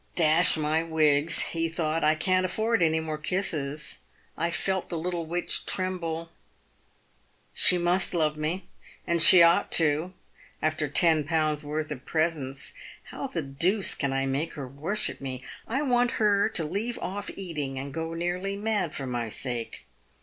"Dash my wigs," he thought, " I can't afford any more kisses. I felt the little witch tremble. She must love me, and she ought, too, after ten pounds' worth of presents. How the deuce can I make her worship PAYED WITH GOLD. 307 me. I want her to leave off eating and go nearly mad for my sake.